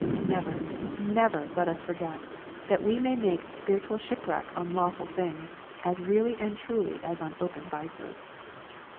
Never, never let us forget that we may make spiritual shipwreck on lawful things, as really and truly as on open vices.